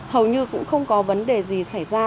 hầu như cũng không có vấn đề gì xảy ra